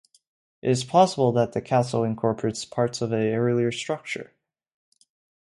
It is possible that the castle incorporates parts of an earlier structure.